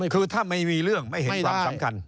คือถ้าไม่มีเรื่องไม่เห็นความสำคัญ